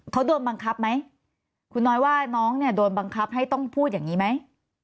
เขาโดนบังคับไหมคุณน้อยว่าน้องเนี่ยโดนบังคับให้ต้องพูดอย่างนี้ไหม